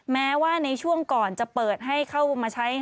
แม้ว่าในช่วงก่อนจะเปิดให้เข้ามาใช้